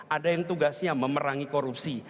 ada yang tugasnya memerangi korupsi